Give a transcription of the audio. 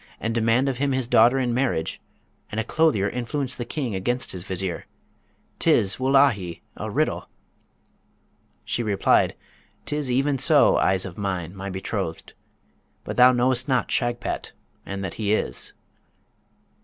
and demand of him his daughter in marriage! and a clothier influence the King against his Vizier!' tis, wullahy! a riddle.' She replied, ''Tis even so, eyes of mine, my betrothed! but thou know'st not Shagpat, and that he is.